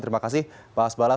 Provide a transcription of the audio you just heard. terima kasih pak hasballah